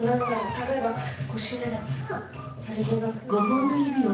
例えば５周目だったらさりげなくこう何だろう